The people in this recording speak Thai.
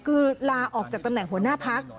คือลาออกจากตำแหน่งหัวหน้าพัก